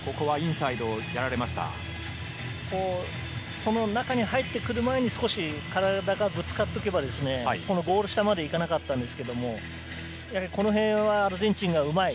その中に入ってくる前に、少し体がぶつかっとけばゴール下まで行かなかったんですけど、この辺はアルゼンチンがうまい。